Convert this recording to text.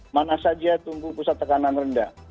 mana saja tumbuh pusat tekanan rendah